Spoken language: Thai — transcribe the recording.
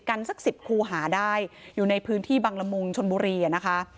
สักสิบคูหาได้อยู่ในพื้นที่บังละมุงชนบุรีอ่ะนะคะ